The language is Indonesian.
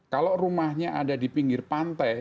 kalau rumahnya ada di pinggir pantai